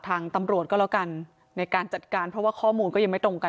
ทางตำรวจก็แล้วกันในการจัดการเพราะว่าข้อมูลก็ยังไม่ตรงกัน